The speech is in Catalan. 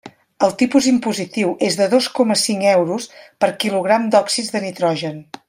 El tipus impositiu és de dos coma cinc euros per quilogram d'òxids de nitrogen.